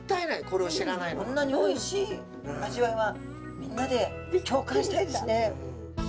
こんなにおいしい味わいはみんなで共感したいですね。